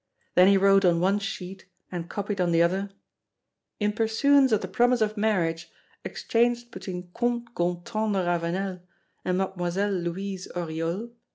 Then he wrote on one sheet and copied on the other: "In pursuance of the promise of marriage exchanged between Comte Gontran de Ravenel and Mademoiselle Louise Oriol, M.